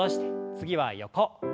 次は横。